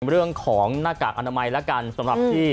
เรื่องของหน้ากากอนามัยแล้วกันสำหรับที่